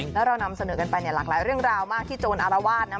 แล้วเรานำเสนอกันไปเนี่ยหลากหลายเรื่องราวมากที่โจรอรวาสนะ